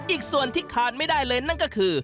อีกส่วนที่ขาดไม่ได้เลยนั่นก็คือ